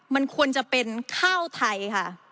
มันควรจะเป็นข้าวไทยค่ะ